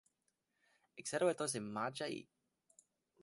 Accelerator se marcha y Shiage se da cuenta que solo fue un malentendido.